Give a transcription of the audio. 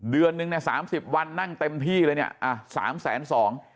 เดือนนึงเนี่ยสามสิบวันนั่งเต็มที่เลยเนี่ยอ่ะสามแสนสอง